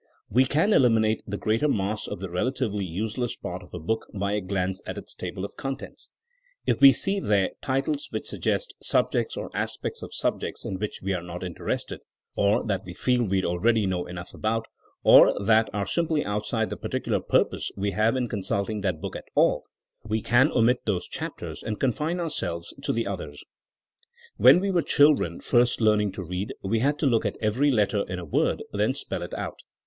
We can eliminate the greater mass of the rela tively useless part of a book by a glance at its table of contents. If we see there titles which suggest subjects or aspects of subjects in which we are not interested, or that we feel we already know enough about, or that are simply outside the particular purpose we have in consulting that book at all, we can omit those chapters and confine ourselves to the others. ... When we were children first learning to read we had to look at every letter in a word, then spell it out.